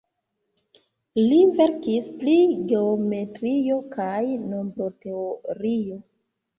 Li verkis pri geometrio kaj nombroteorio.